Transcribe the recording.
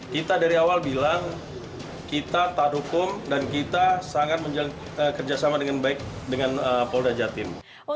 kita dari awal bilang kita taat hukum dan kita sangat kerjasama dengan baik dengan polda jatim